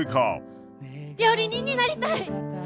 料理人になりたい。